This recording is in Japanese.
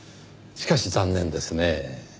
しかし残念ですねぇ。